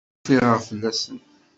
Ur ffiɣeɣ fell-asen.